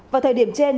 vào thời điểm trên